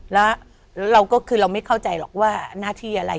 แล้วเราก็คือเราไม่เข้าใจหรอกว่าหน้าที่อะไร